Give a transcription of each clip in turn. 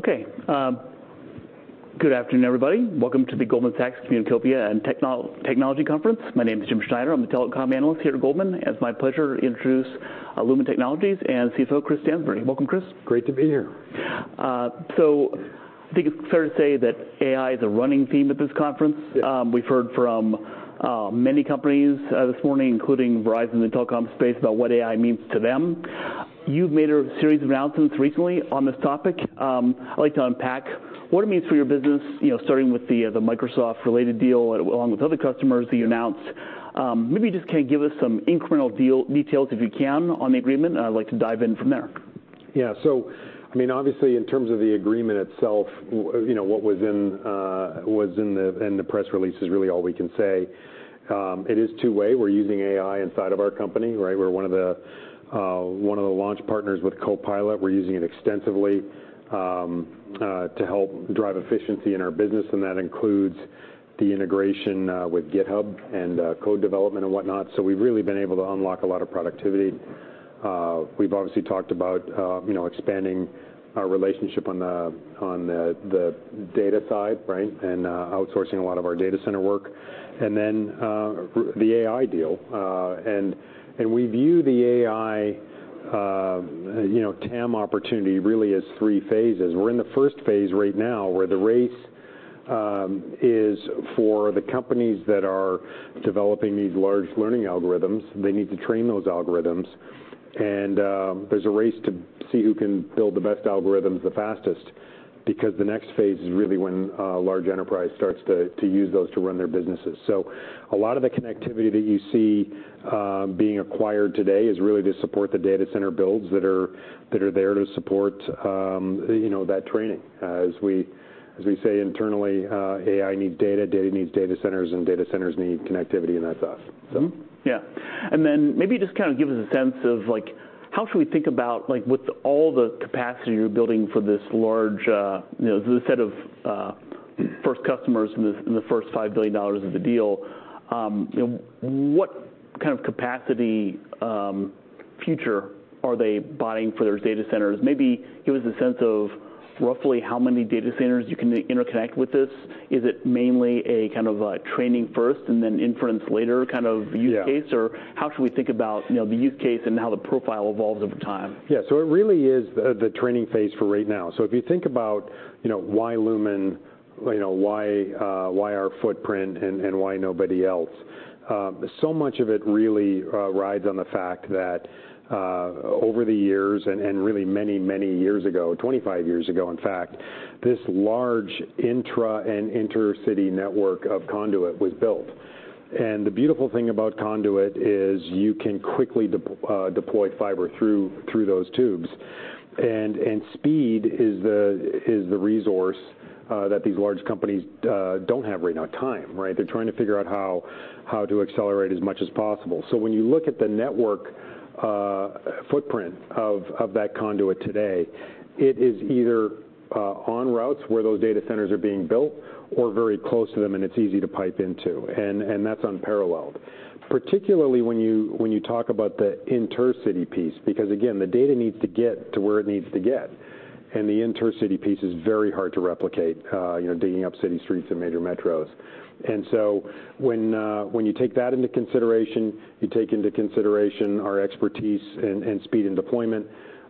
Okay, good afternoon, everybody. Welcome to the Goldman Sachs Communopia and Technology Conference. My name is Jim Schneider. I'm a telecom analyst here at Goldman. It's my pleasure to introduce Lumen Technologies and CFO, Chris Stansbury. Welcome, Chris. Great to be here. So, I think it's fair to say that AI is a running theme at this conference. Yeah. We've heard from many companies this morning, including Verizon, in the telecom space, about what AI means to them. You've made a series of announcements recently on this topic. I'd like to unpack what it means for your business, you know, starting with the Microsoft-related deal along with other customers that you announced. Maybe you just can give us some incremental deal details, if you can, on the agreement, and I'd like to dive in from there. Yeah, so I mean, obviously, in terms of the agreement itself, you know, what was in the press release is really all we can say. It is two-way. We're using AI inside of our company, right? We're one of the launch partners with Copilot. We're using it extensively to help drive efficiency in our business, and that includes the integration with GitHub and code development and whatnot. So we've really been able to unlock a lot of productivity. We've obviously talked about, you know, expanding our relationship on the data side, right? And the AI deal. And we view the AI, you know, TAM opportunity really as three phases. We're in the first phase right now, where the race is for the companies that are developing these large learning algorithms. They need to train those algorithms, and there's a race to see who can build the best algorithms the fastest, because the next phase is really when large enterprise starts to use those to run their businesses. So a lot of the connectivity that you see being acquired today is really to support the data center builds that are there to support you know that training. As we say internally, "AI needs data, data needs data centers, and data centers need connectivity," and that's us, so. Mm-hmm, yeah. And then maybe just kind of give us a sense of, like, how should we think about, like, with all the capacity you're building for this large, you know, the set of first customers in the first $5 billion of the deal, you know, what kind of capacity future are they buying for their data centers? Maybe give us a sense of roughly how many data centers you can interconnect with this. Is it mainly a kind of a training first and then inference later kind of use case? Yeah. Or how should we think about, you know, the use case and how the profile evolves over time? Yeah, so it really is the training phase for right now. So if you think about, you know, why Lumen, you know, why our footprint and why nobody else, so much of it really rides on the fact that over the years and really many years ago, 25 years ago, in fact, this large intra and intercity network of conduit was built. And the beautiful thing about conduit is you can quickly deploy fiber through those tubes. And speed is the resource that these large companies don't have right now: time, right? They're trying to figure out how to accelerate as much as possible. So when you look at the network footprint of that conduit today, it is either on routes where those data centers are being built or very close to them, and it's easy to pipe into, and that's unparalleled. Particularly, when you talk about the intercity piece, because, again, the data needs to get to where it needs to get, and the intercity piece is very hard to replicate, you know, digging up city streets and major metros. And so when you take that into consideration, you take into consideration our expertise and speed, and deployment,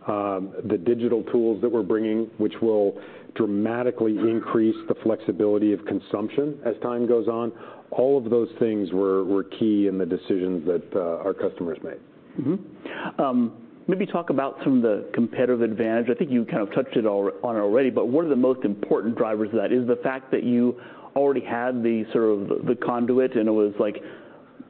the digital tools that we're bringing, which will dramatically increase the flexibility of consumption as time goes on, all of those things were key in the decisions that our customers made. Mm-hmm. Maybe talk about some of the competitive advantage. I think you kind of touched it on already, but what are the most important drivers of that? Is the fact that you already had sort of the conduit, and it was like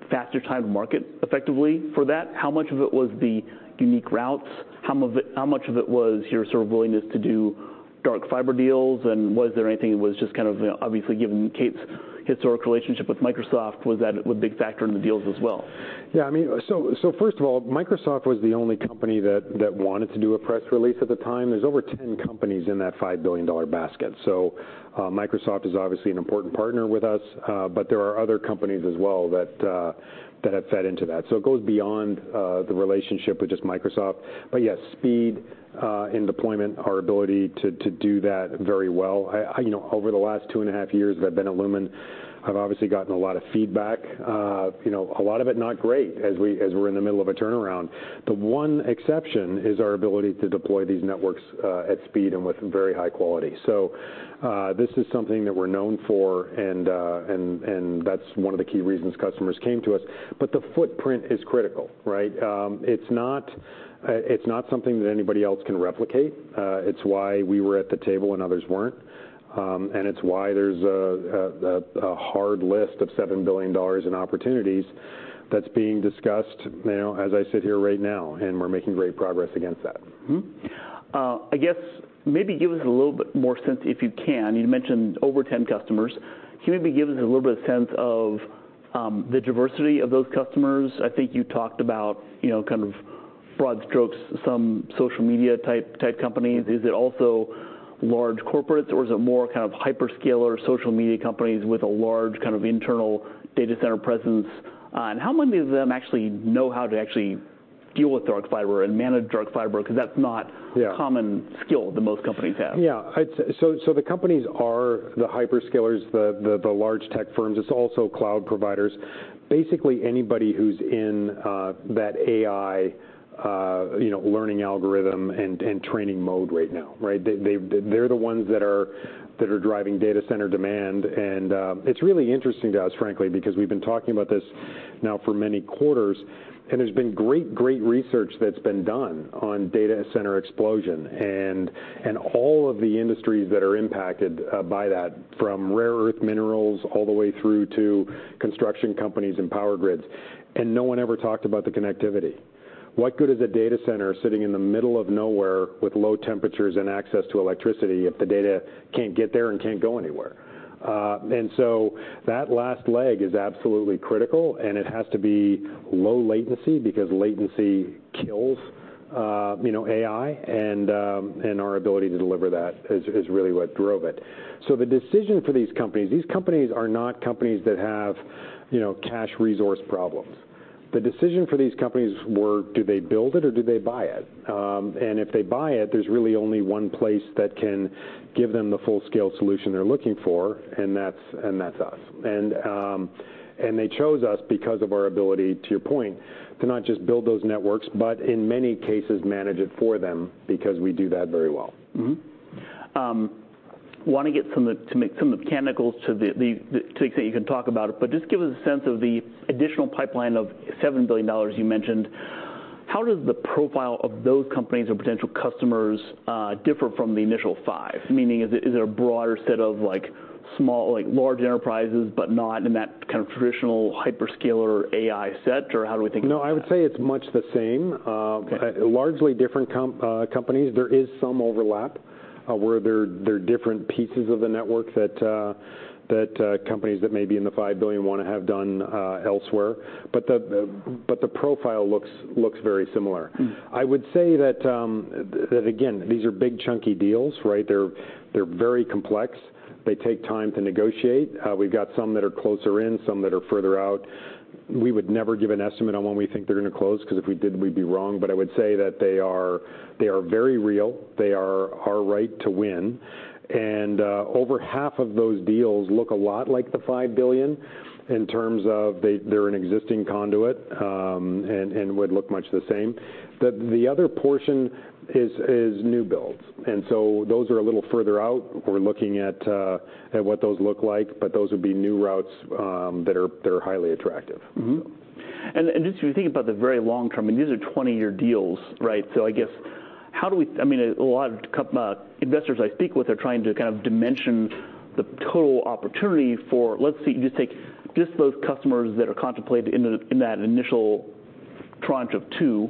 faster time to market, effectively, for that? How much of it was the unique routes? How much of it was your sort of willingness to do dark fiber deals? And was there anything that was just kind of, you know, obviously, given Kate's historic relationship with Microsoft, was that a big factor in the deals as well? Yeah, I mean. So first of all, Microsoft was the only company that wanted to do a press release at the time. There's over 10 companies in that $5 billion basket. So Microsoft is obviously an important partner with us, but there are other companies as well that have fed into that. So it goes beyond the relationship with just Microsoft. But yeah, speed and deployment, our ability to do that very well. You know, over the last two and a half years that I've been at Lumen, I've obviously gotten a lot of feedback. You know, a lot of it not great, as we're in the middle of a turnaround. The one exception is our ability to deploy these networks at speed and with very high quality. So, this is something that we're known for, and that's one of the key reasons customers came to us. But the footprint is critical, right? It's not something that anybody else can replicate. It's why we were at the table when others weren't. And it's why there's a hard list of $7 billion in opportunities that's being discussed, you know, as I sit here right now, and we're making great progress against that. Mm-hmm. I guess maybe give us a little bit more sense, if you can. You mentioned over 10 customers. Can you maybe give us a little bit of sense of the diversity of those customers? I think you talked about, you know, kind of broad strokes, some social media-type companies. Is it also large corporates, or is it more kind of hyperscaler social media companies with a large kind of internal data center presence, and how many of them actually know how to deal with dark fiber and manage dark fiber, because that's not- Yeah. common skill that most companies have. Yeah, so the companies are the hyperscalers, the large tech firms. It's also cloud providers. Basically, anybody who's in that AI, you know, learning algorithm and training mode right now, right? They're the ones that are driving data center demand. And it's really interesting to us, frankly, because we've been talking about this now for many quarters, and there's been great research that's been done on data center explosion and all of the industries that are impacted by that, from rare earth minerals all the way through to construction companies and power grids, and no one ever talked about the connectivity. What good is a data center sitting in the middle of nowhere with low temperatures and access to electricity if the data can't get there and can't go anywhere? And so that last leg is absolutely critical, and it has to be low latency, because latency kills, you know, AI, and our ability to deliver that is really what drove it. So the decision for these companies. These companies are not companies that have, you know, cash resource problems. The decision for these companies were, do they build it or do they buy it? And if they buy it, there's really only one place that can give them the full-scale solution they're looking for, and that's us. And they chose us because of our ability, to your point, to not just build those networks, but in many cases, manage it for them, because we do that very well. Mm-hmm. Want to get some of the mechanicals to the extent you can talk about it, but just give us a sense of the additional pipeline of $7 billion you mentioned. How does the profile of those companies or potential customers differ from the initial $5 billion? Meaning, is it a broader set of like large enterprises, but not in that kind of traditional hyperscaler AI set, or how do we think about that? No, I would say it's much the same. Okay. Largely different companies. There is some overlap where there are different pieces of the network that companies that may be in the $5 billion want to have done elsewhere. But the profile looks very similar. Mm-hmm. I would say that, that again, these are big, chunky deals, right? They're very complex. They take time to negotiate. We've got some that are closer in, some that are further out. We would never give an estimate on when we think they're going to close, because if we did, we'd be wrong. But I would say that they are very real. They are our right to win. And over half of those deals look a lot like the $5 billion in terms of they're an existing conduit, and would look much the same. The other portion is new builds, and so those are a little further out. We're looking at what those look like, but those would be new routes that are highly attractive. And just if you think about the very long term, I mean, these are 20-year deals, right? So I guess, how do we... I mean, a lot of investors I speak with are trying to kind of dimension the total opportunity for, let's say, just take those customers that are contemplated in that initial tranche of two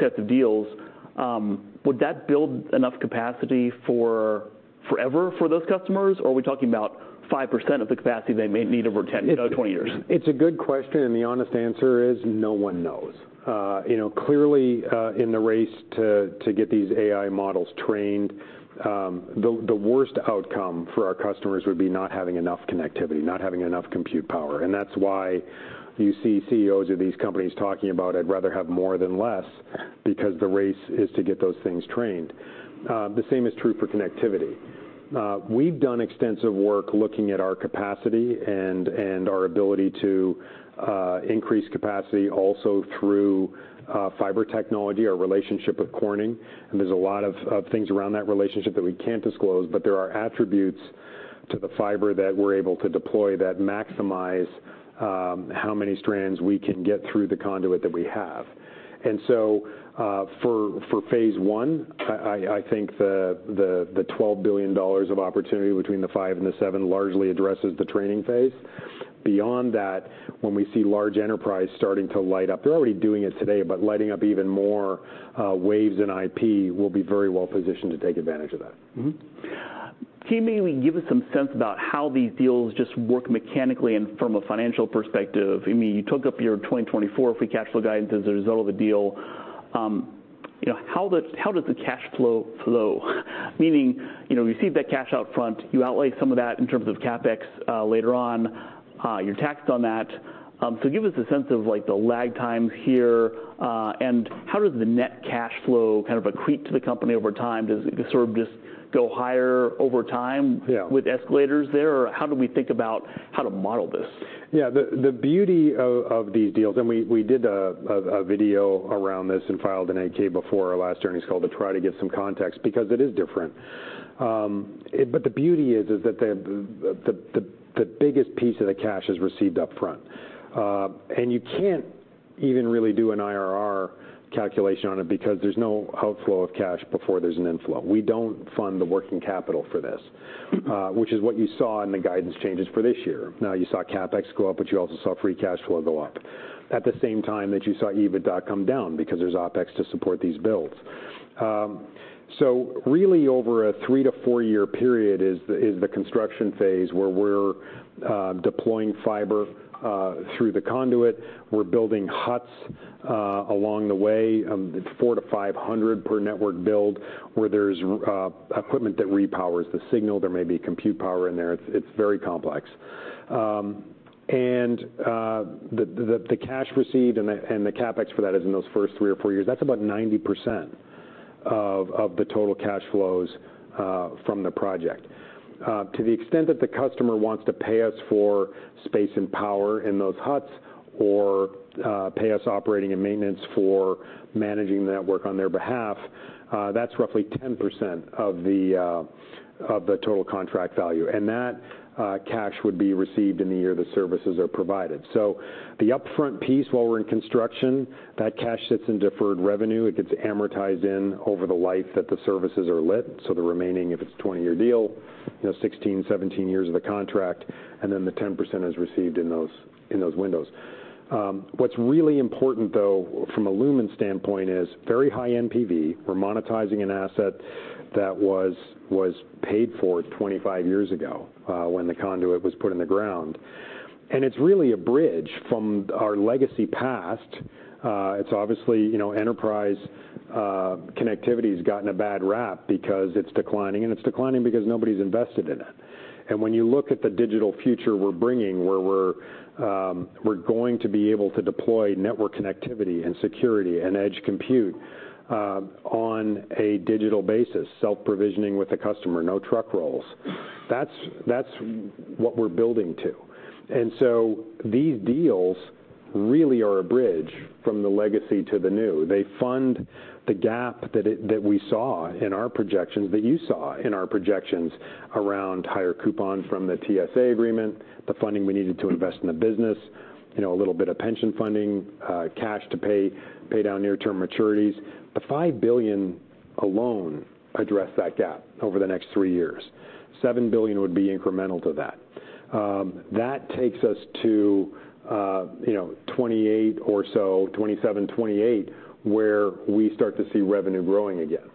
sets of deals. Would that build enough capacity for forever for those customers, or are we talking about 5% of the capacity they may need over 10, 20 years? It's a good question, and the honest answer is, no one knows. You know, clearly, in the race to get these AI models trained, the worst outcome for our customers would be not having enough connectivity, not having enough compute power. And that's why you see CEOs of these companies talking about, "I'd rather have more than less," because the race is to get those things trained. The same is true for connectivity. We've done extensive work looking at our capacity and our ability to increase capacity also through fiber technology, our relationship with Corning. And there's a lot of things around that relationship that we can't disclose, but there are attributes to the fiber that we're able to deploy that maximize how many strands we can get through the conduit that we have. And so, for phase one, I think the $12 billion of opportunity between the $5 billion and the $7 billion largely addresses the training phase. Beyond that, when we see large enterprise starting to light up, they're already doing it today, but lighting up even more waves and IP, we'll be very well positioned to take advantage of that. Mm-hmm. Can you maybe give us some sense about how these deals just work mechanically and from a financial perspective? I mean, you took up your 2024 free cash flow guidance as a result of the deal. You know, how does the cash flow flow? Meaning, you know, you receive that cash up front, you outlay some of that in terms of CapEx later on, you're taxed on that. So give us a sense of, like, the lag time here, and how does the net cash flow kind of accrete to the company over time? Does it sort of just go higher over time- Yeah... with escalators there, or how do we think about how to model this? Yeah. The beauty of these deals, and we did a video around this and filed an 8-K before our last earnings call to try to get some context, because it is different. But the beauty is that the biggest piece of the cash is received upfront. And you can't even really do an IRR calculation on it because there's no outflow of cash before there's an inflow. We don't fund the working capital for this, which is what you saw in the guidance changes for this year. Now, you saw CapEx go up, but you also saw free cash flow go up at the same time that you saw EBITDA come down, because there's OpEx to support these builds. So really, over a three to four-year period is the construction phase, where we're deploying fiber through the conduit. We're building huts along the way. It's four to five hundred per network build, where there's equipment that repowers the signal. There may be compute power in there. It's very complex. The cash received and the CapEx for that is in those first three or four years, that's about 90% of the total cash flows from the project. To the extent that the customer wants to pay us for space and power in those huts, or pay us operating and maintenance for managing the network on their behalf, that's roughly 10% of the total contract value. And that cash would be received in the year the services are provided. So the upfront piece, while we're in construction, that cash sits in deferred revenue. It gets amortized in over the life that the services are lit, so the remaining, if it's a 20-year deal, you know, 16, 17 years of the contract, and then the 10% is received in those, in those windows. What's really important though, from a Lumen standpoint, is very high NPV. We're monetizing an asset that was paid for 25 years ago, when the conduit was put in the ground. And it's really a bridge from our legacy past. It's obviously, you know, enterprise connectivity's gotten a bad rap because it's declining, and it's declining because nobody's invested in it. And when you look at the digital future we're bringing, where we're going to be able to deploy network connectivity and security and edge compute on a digital basis, self-provisioning with the customer, no truck rolls, that's what we're building to. So these deals really are a bridge from the legacy to the new. They fund the gap that we saw in our projections, that you saw in our projections, around higher coupon from the TSA agreement, the funding we needed to invest in the business, you know, a little bit of pension funding, cash to pay down near-term maturities. The $5 billion alone address that gap over the next three years. $7 billion would be incremental to that. That takes us to, you know, 2028 or so, 2027, 2028, where we start to see revenue growing again.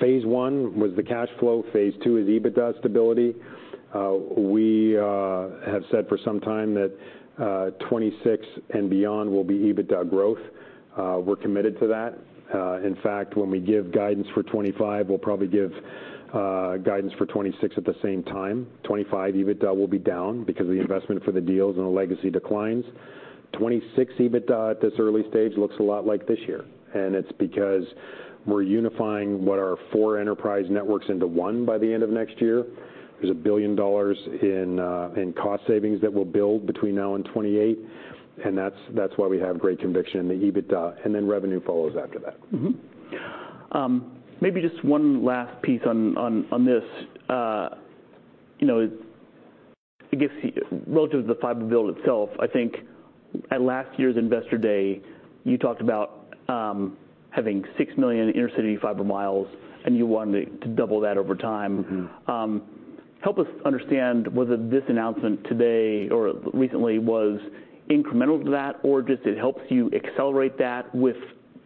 Phase one was the cash flow. Phase two is EBITDA stability. We have said for some time that 2026 and beyond will be EBITDA growth. We're committed to that. In fact, when we give guidance for 2025, we'll probably give guidance for 2026 at the same time. 2025 EBITDA will be down because of the investment for the deals and the legacy declines. 2026 EBITDA, at this early stage, looks a lot like this year, and it's because we're unifying what our four enterprise networks into one by the end of next year. There's $1 billion in cost savings that we'll build between now and 2028, and that's why we have great conviction in the EBITDA, and then revenue follows after that. Mm-hmm. Maybe just one last piece on this. You know, I guess, relative to the fiber build itself, I think at last year's Investor Day, you talked about having six million intercity fiber miles, and you wanted to double that over time. Mm-hmm. Help us understand whether this announcement today or recently was incremental to that, or just it helps you accelerate that with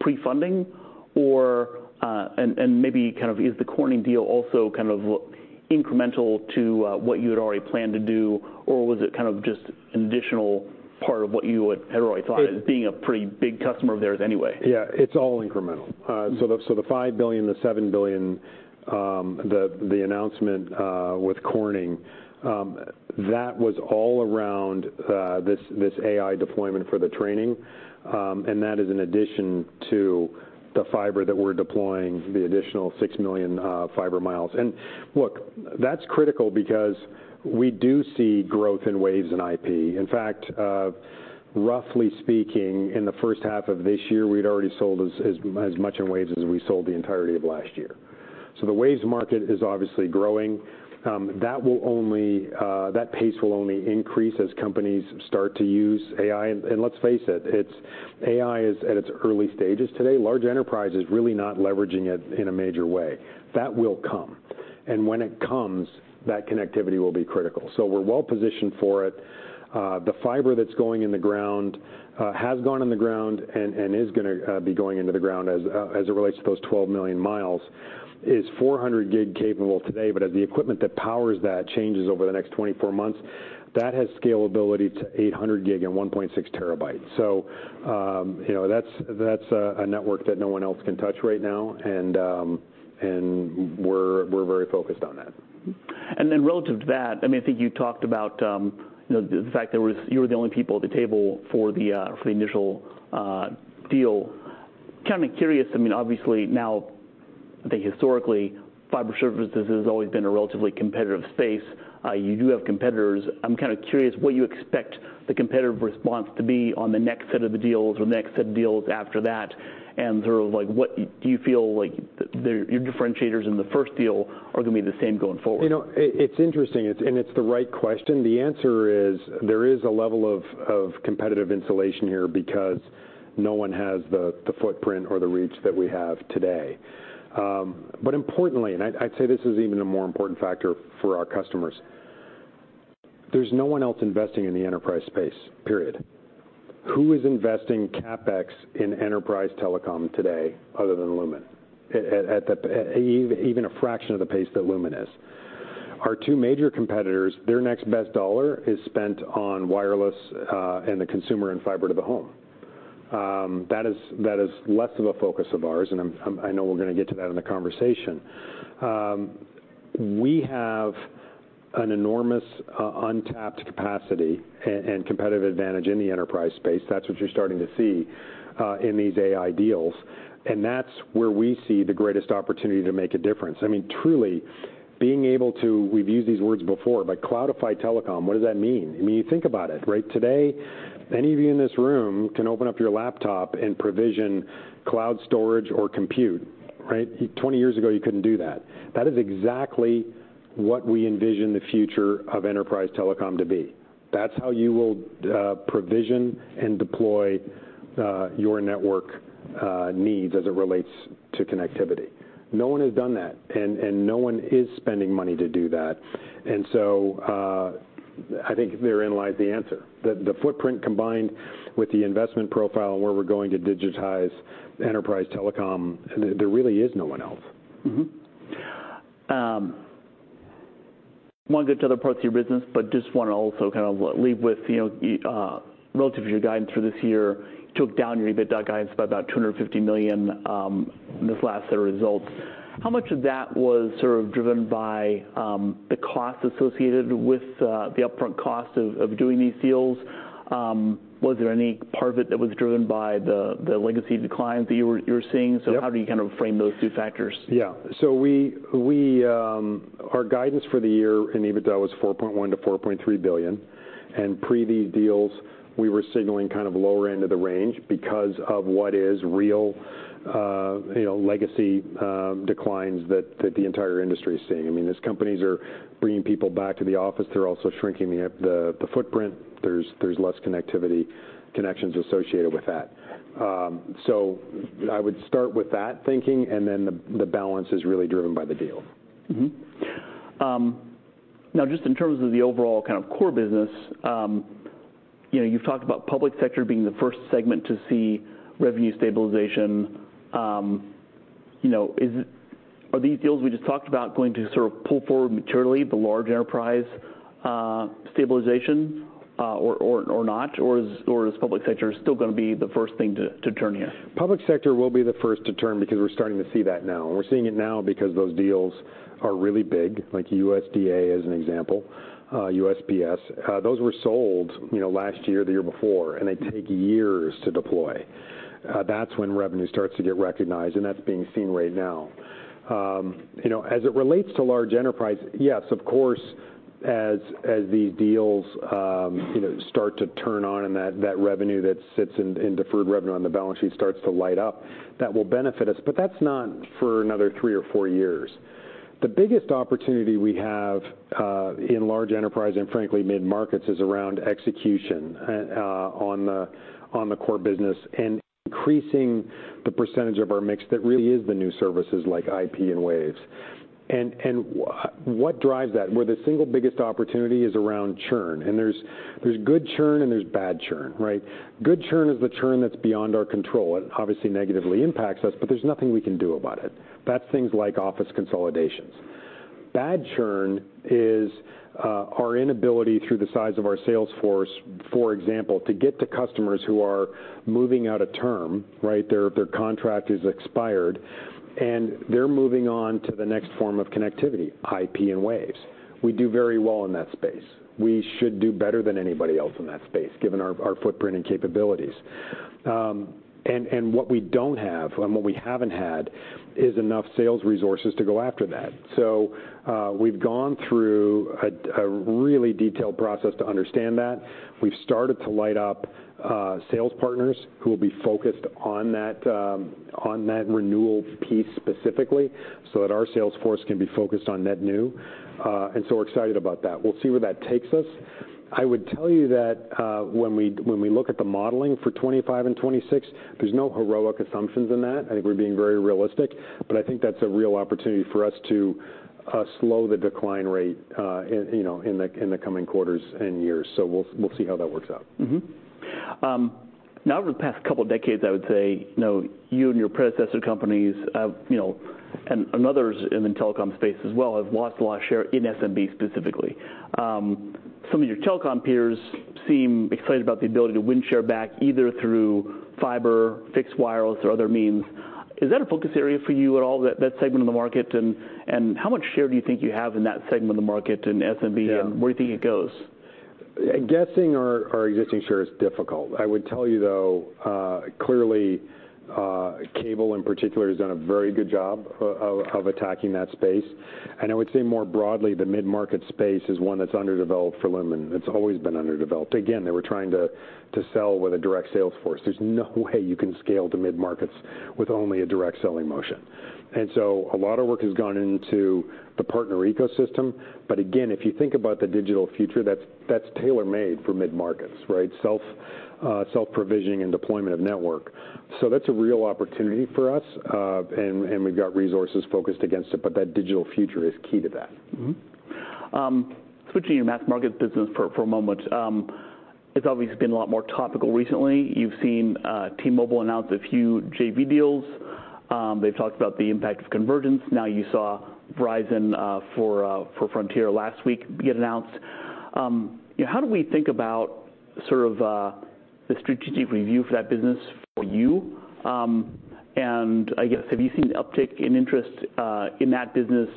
pre-funding? Or, and maybe kind of is the Corning deal also kind of incremental to, what you had already planned to do, or was it kind of just an additional part of what you had already thought- It- as being a pretty big customer of theirs anyway? Yeah, it's all incremental. So the $5 billion, the $7 billion, the announcement with Corning, that was all around this AI deployment for the training. And that is in addition to the fiber that we're deploying, the additional six million fiber mi. And look, that's critical because we do see growth in waves and IP. In fact, roughly speaking, in the first half of this year, we'd already sold as much in waves as we sold the entirety of last year. So the waves market is obviously growing. That pace will only increase as companies start to use AI. And let's face it, it's AI is at its early stages today. Large enterprise is really not leveraging it in a major way. That will come, and when it comes, that connectivity will be critical, so we're well positioned for it. The fiber that's going in the ground has gone in the ground, and is gonna be going into the ground as it relates to those 12 million mi, is 400 gig capable today. But as the equipment that powers that changes over the next 24 months, that has scalability to 800 gig and 1.6 TB, so you know, that's a network that no one else can touch right now, and we're very focused on that. And then relative to that, I mean, I think you talked about, you know, the fact that you were the only people at the table for the initial deal. Kind of curious, I mean, obviously now, I think historically, fiber services has always been a relatively competitive space. You do have competitors. I'm kind of curious what you expect the competitive response to be on the next set of the deals or next set of deals after that, and sort of like, what do you feel like your differentiators in the first deal are going to be the same going forward? You know, it's interesting, and it's the right question. The answer is, there is a level of competitive installation here because no one has the footprint or the reach that we have today. But importantly, and I'd say this is even a more important factor for our customers: There's no one else investing in the enterprise space, period. Who is investing CapEx in enterprise telecom today other than Lumen, at even a fraction of the pace that Lumen is? Our two major competitors, their next best dollar is spent on wireless, and the consumer and fiber to the home. That is less of a focus of ours, and I know we're gonna get to that in the conversation. We have an enormous untapped capacity and competitive advantage in the enterprise space. That's what you're starting to see in these AI deals, and that's where we see the greatest opportunity to make a difference. I mean, truly, being able to, we've used these words before, but cloudify telecom, what does that mean? I mean, you think about it, right? Today, any of you in this room can open up your laptop and provision cloud storage or compute, right? 20 years ago, you couldn't do that. That is exactly what we envision the future of enterprise telecom to be. That's how you will provision and deploy your network needs as it relates to connectivity. No one has done that, and no one is spending money to do that. And so, I think therein lies the answer. The footprint, combined with the investment profile and where we're going to digitize enterprise telecom, there really is no one else. Mm-hmm. Want to get to other parts of your business, but just want to also kind of leave with, you know, relative to your guidance for this year, you took down your EBITDA guidance by about $250 million in this last set of results. How much of that was sort of driven by the costs associated with the upfront cost of doing these deals? Was there any part of it that was driven by the legacy declines that you were seeing? Yep. How do you kind of frame those two factors? Yeah. So our guidance for the year in EBITDA was $4.1 billion-$4.3 billion, and pre these deals, we were signaling kind of lower end of the range because of what is real, you know, legacy declines that the entire industry is seeing. I mean, as companies are bringing people back to the office, they're also shrinking the footprint. There's less connectivity connections associated with that. So I would start with that thinking, and then the balance is really driven by the deal. Mm-hmm. Now, just in terms of the overall kind of core business, you know, you've talked about public sector being the first segment to see revenue stabilization. You know, is it-- are these deals we just talked about going to sort of pull forward materially the large enterprise stabilization, or not? Or is public sector still gonna be the first thing to turn here? Public sector will be the first to turn because we're starting to see that now, and we're seeing it now because those deals are really big, like USDA as an example, USPS. Those were sold, you know, last year or the year before, and they take years to deploy. That's when revenue starts to get recognized, and that's being seen right now. You know, as it relates to large enterprise, yes, of course, as these deals, you know, start to turn on and that revenue that sits in deferred revenue on the balance sheet starts to light up, that will benefit us, but that's not for another three or four years. The biggest opportunity we have in large enterprise and, frankly, mid-markets, is around execution on the core business and increasing the percentage of our mix that really is the new services like IP and Waves. And what drives that? Well, the single biggest opportunity is around churn, and there's good churn, and there's bad churn, right? Good churn is the churn that's beyond our control. It obviously negatively impacts us, but there's nothing we can do about it. That's things like office consolidations. Bad churn is our inability through the size of our sales force, for example, to get to customers who are moving out of term, right? Their contract is expired, and they're moving on to the next form of connectivity, IP and Waves. We do very well in that space. We should do better than anybody else in that space, given our footprint and capabilities. And what we don't have and what we haven't had is enough sales resources to go after that. So, we've gone through a really detailed process to understand that. We've started to light up sales partners who will be focused on that renewal piece specifically, so that our sales force can be focused on net new. And so we're excited about that. We'll see where that takes us. I would tell you that when we look at the modeling for 2025 and 2026, there's no heroic assumptions in that. I think we're being very realistic, but I think that's a real opportunity for us to slow the decline rate, you know, in the coming quarters and years. So we'll see how that works out. Mm-hmm. Now, over the past couple of decades, I would say, you know, you and your predecessor companies, you know, and others in the telecom space as well, have lost a lot of share in SMB specifically. Some of your telecom peers seem excited about the ability to win share back, either through fiber, fixed wireless, or other means. Is that a focus area for you at all, that segment of the market? And how much share do you think you have in that segment of the market in SMB- Yeah... and where do you think it goes? Guessing our existing share is difficult. I would tell you, though, clearly, cable in particular, has done a very good job of attacking that space, and I would say more broadly, the mid-market space is one that's underdeveloped for Lumen. It's always been underdeveloped. Again, they were trying to sell with a direct sales force. There's no way you can scale to mid-markets with only a direct selling motion, and so a lot of work has gone into the partner ecosystem, but again, if you think about the digital future, that's tailor-made for mid-markets, right? Self-provisioning and deployment of network, so that's a real opportunity for us, and we've got resources focused against it, but that digital future is key to that. Switching to your mass market business for a moment. It's obviously been a lot more topical recently. You've seen T-Mobile announce a few JV deals. They've talked about the impact of convergence. Now you saw Verizon for Frontier last week get announced. How do we think about sort of the strategic review for that business for you? And I guess, have you seen an uptick in interest in that business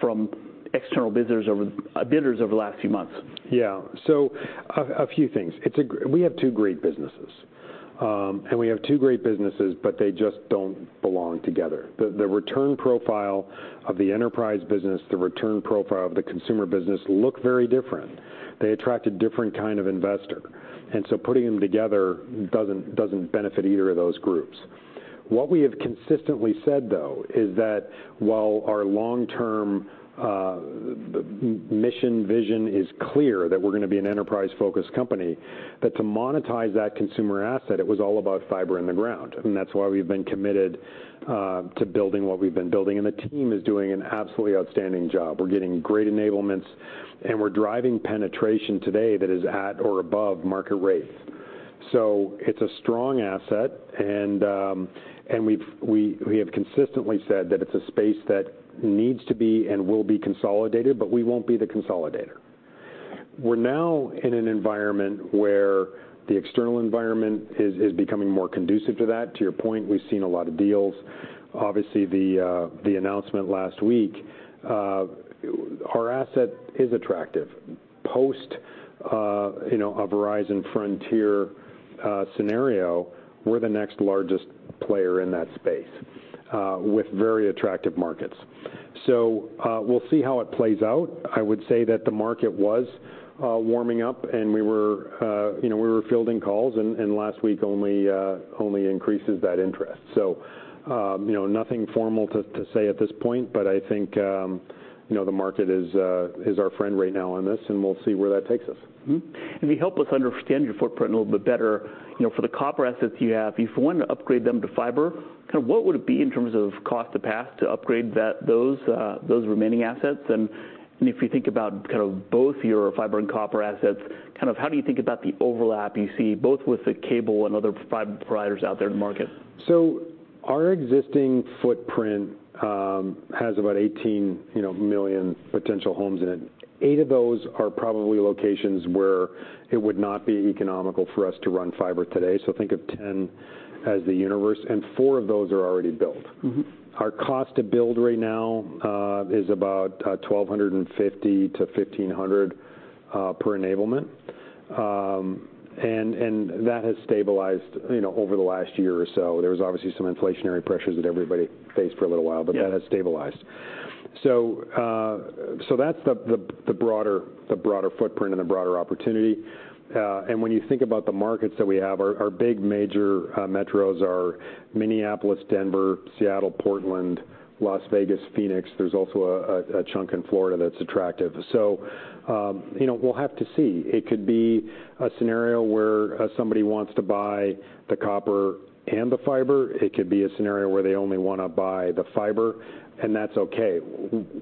from external bidders over the last few months? Yeah. A few things. We have two great businesses, but they just don't belong together. The return profile of the enterprise business, the return profile of the consumer business look very different. They attract a different kind of investor, and so putting them together doesn't benefit either of those groups. What we have consistently said, though, is that while our long-term mission, vision is clear, that we're going to be an enterprise-focused company, that to monetize that consumer asset, it was all about fiber in the ground, and that's why we've been committed to building what we've been building, and the team is doing an absolutely outstanding job. We're getting great enablements, and we're driving penetration today that is at or above market rate. So it's a strong asset, and we have consistently said that it's a space that needs to be and will be consolidated, but we won't be the consolidator. We're now in an environment where the external environment is becoming more conducive to that. To your point, we've seen a lot of deals. Obviously, the announcement last week, our asset is attractive. Post, you know, a Verizon Frontier scenario, we're the next largest player in that space with very attractive markets. So we'll see how it plays out. I would say that the market was warming up, and we were, you know, fielding calls, and last week only increases that interest. You know, nothing formal to say at this point, but I think, you know, the market is our friend right now on this, and we'll see where that takes us. Mm-hmm. If you help us understand your footprint a little bit better, you know, for the copper assets you have, if you want to upgrade them to fiber, kind of what would it be in terms of cost to path to upgrade those remaining assets? And if you think about kind of both your fiber and copper assets, kind of how do you think about the overlap you see, both with the cable and other fiber providers out there in the market? Our existing footprint has about 18, you know, million potential homes in it. Eight of those are probably locations where it would not be economical for us to run fiber today. So think of 10 as the universe, and four of those are already built. Mm-hmm. Our cost to build right now is about $1,250-$1,500 per enablement. And that has stabilized, you know, over the last year or so. There was obviously some inflationary pressures that everybody faced for a little while- Yeah. But that has stabilized. So that's the broader footprint and the broader opportunity. And when you think about the markets that we have, our big major metros are Minneapolis, Denver, Seattle, Portland, Las Vegas, Phoenix. There's also a chunk in Florida that's attractive. So, you know, we'll have to see. It could be a scenario where somebody wants to buy the copper and the fiber. It could be a scenario where they only want to buy the fiber, and that's okay.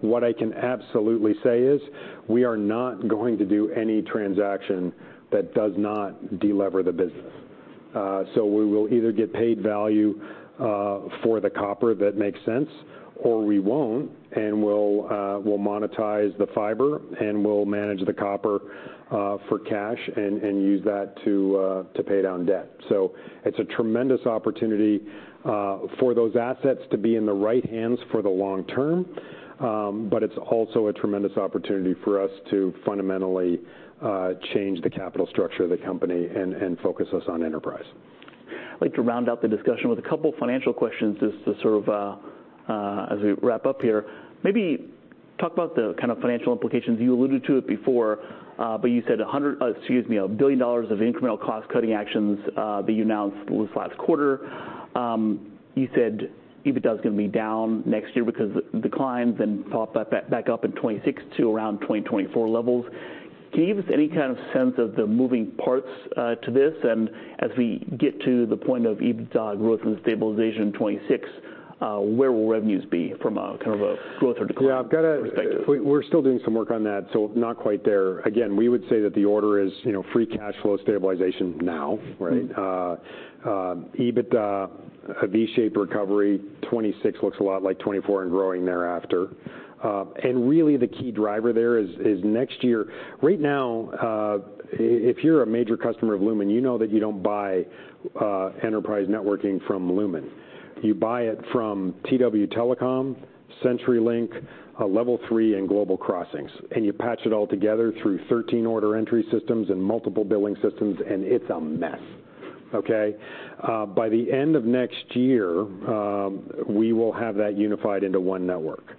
What I can absolutely say is, we are not going to do any transaction that does not delever the business. So we will either get paid value for the copper that makes sense, or we won't, and we'll monetize the fiber, and we'll manage the copper for cash and use that to pay down debt. So it's a tremendous opportunity for those assets to be in the right hands for the long term, but it's also a tremendous opportunity for us to fundamentally change the capital structure of the company and focus us on enterprise. I'd like to round out the discussion with a couple financial questions just to sort of as we wrap up here. Maybe talk about the kind of financial implications. You alluded to it before, but you said $1 billion of incremental cost-cutting actions that you announced this last quarter. You said EBITDA is going to be down next year because declines and pop back up in 2026 to around 2024 levels. Can you give us any kind of sense of the moving parts to this? As we get to the point of EBITDA growth and stabilization in 2026, where will revenues be from a kind of a growth or decline perspective? We're still doing some work on that, so not quite there. Again, we would say that the order is, you know, free cash flow stabilization now, right? Mm-hmm. EBITDA, a V-shaped recovery, 2026 looks a lot like 2024 and growing thereafter, and really, the key driver there is next year. Right now, if you're a major customer of Lumen, you know that you don't buy enterprise networking from Lumen. You buy it from TW Telecom, CenturyLink, Level 3, and Global Crossing, and you patch it all together through 13 order entry systems and multiple billing systems, and it's a mess, okay? By the end of next year, we will have that unified into one network,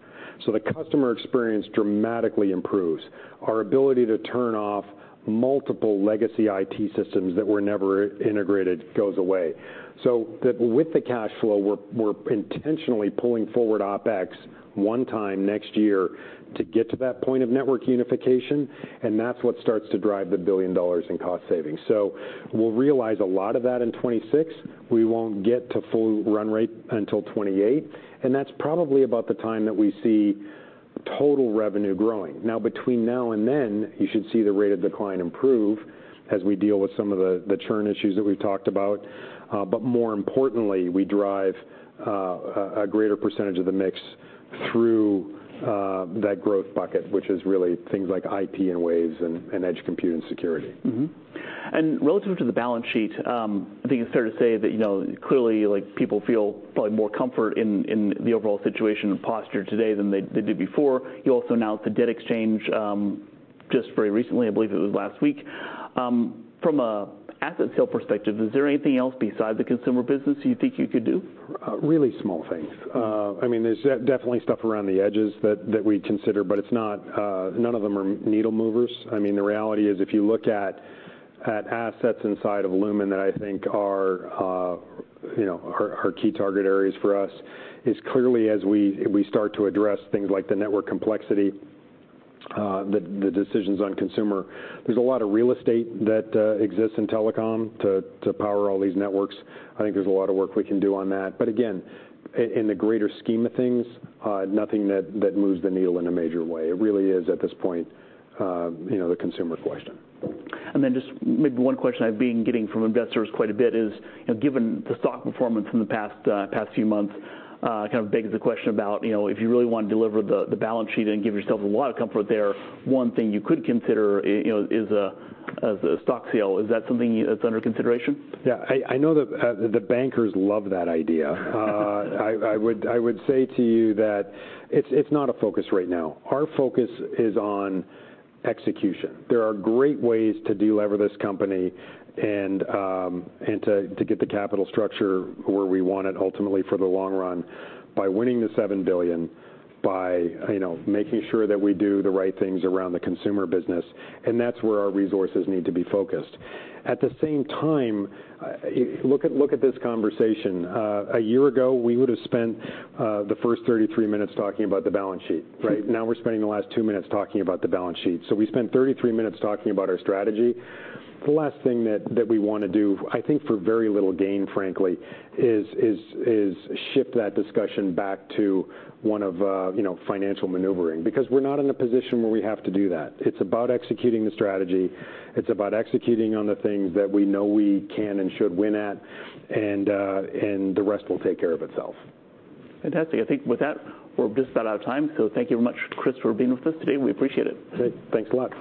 so the customer experience dramatically improves. Our ability to turn off multiple legacy IT systems that were never integrated goes away. So that with the cash flow, we're intentionally pulling forward OpEx one time next year to get to that point of network unification, and that's what starts to drive the $1 billion in cost savings. So we'll realize a lot of that in 2026. We won't get to full run rate until 2028, and that's probably about the time that we see total revenue growing. Now, between now and then, you should see the rate of decline improve as we deal with some of the churn issues that we've talked about. But more importantly, we drive a greater percentage of the mix through that growth bucket, which is really things like IT and waves and edge compute and security. Mm-hmm. And relative to the balance sheet, I think it's fair to say that, you know, clearly, like, people feel probably more comfort in the overall situation and posture today than they did before. You also announced a debt exchange, just very recently, I believe it was last week. From an asset sale perspective, is there anything else besides the consumer business you think you could do? Really small things. I mean, there's definitely stuff around the edges that we'd consider, but it's not none of them are needle movers. I mean, the reality is, if you look at assets inside of Lumen that I think are, you know, are key target areas for us, is clearly as we start to address things like the network complexity, the decisions on consumer, there's a lot of real estate that exists in telecom to power all these networks. I think there's a lot of work we can do on that. But again, in the greater scheme of things, nothing that moves the needle in a major way. It really is, at this point, you know, the consumer question. Then just maybe one question I've been getting from investors quite a bit is, you know, given the stock performance in the past few months, kind of begs the question about, you know, if you really want to deliver the balance sheet and give yourself a lot of comfort there, one thing you could consider, you know, is a stock sale. Is that something that's under consideration? Yeah, I know the bankers love that idea. I would say to you that it's not a focus right now. Our focus is on execution. There are great ways to delever this company and to get the capital structure where we want it ultimately for the long run, by winning the $7 billion, by you know, making sure that we do the right things around the consumer business, and that's where our resources need to be focused. At the same time, look at this conversation. A year ago, we would've spent the first 33 minutes talking about the balance sheet, right? Now we're spending the last two minutes talking about the balance sheet. So we spent 33 minutes talking about our strategy. The last thing that we wanna do, I think for very little gain, frankly, is shift that discussion back to one of, you know, financial maneuvering, because we're not in a position where we have to do that. It's about executing the strategy. It's about executing on the things that we know we can and should win at, and the rest will take care of itself. Fantastic. I think with that, we're just about out of time, so thank you very much, Chris, for being with us today. We appreciate it. Great. Thanks a lot.